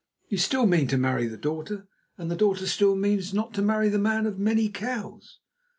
You still mean to marry the daughter, and the daughter still means not to marry the man of many cows.